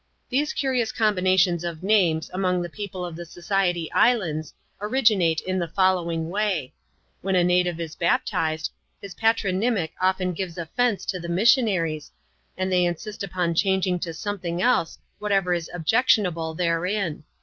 These curious combinations of names, among the pec^le of the Society Islands, originate in the following way. When a native is baptised, his patronymic often gives offence to the missionaries, and they insist upon changing to something else whatever is objectionable therein.